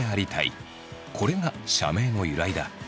これが社名の由来だ。